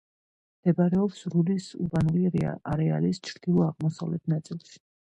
მდებარეობს რურის ურბანული არეალის ჩრდილო-აღმოსავლეთ ნაწილში.